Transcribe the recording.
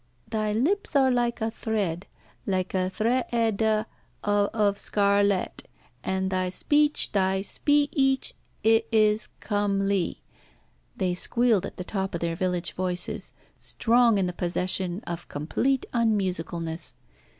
"Thy lips are like a thread, like a thre eda o of scar let, and thy speech, thy spee eech i is come ly," they squealed at the top of their village voices, strong in the possession of complete unmusicalness.